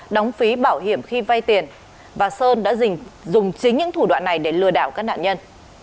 đóng phí bảo hiểm khi vay tiền và sơn đã dùng chính những thủ đoạn này để lừa đảo các nạn nhân